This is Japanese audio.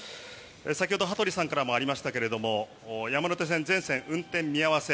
先ほど羽鳥さんからもありましたが山手線、全線運転見合わせ。